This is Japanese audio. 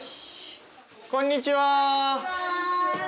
こんにちは！